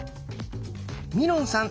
みのんさん